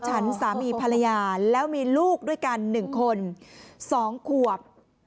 ฉันสามีภรรยาแล้วมีลูกด้วยกัน๑คน๒ขวบ